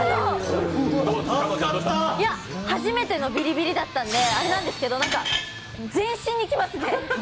初めてのビリビリだったんで、あれなんですけどなんか全身にきますね。